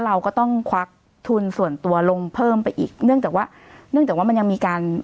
เราก็ต้องควักทุนส่วนตัวลงเพิ่มไปอีกเนื่องจากว่าเนื่องจากว่ามันยังมีการ